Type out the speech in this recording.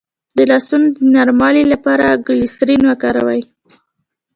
د لاسونو د نرموالي لپاره ګلسرین وکاروئ